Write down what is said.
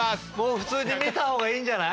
普通に見たほうがいいんじゃない。